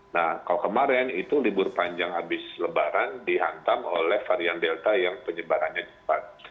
nah kalau kemarin itu libur panjang habis lebaran dihantam oleh varian delta yang penyebarannya cepat